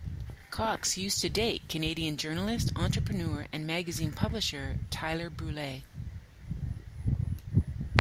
Cox used to date Canadian journalist, entrepreneur, and magazine publisher Tyler Brûlé.